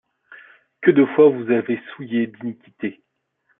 Que de fois vous avez souillé d'iniquités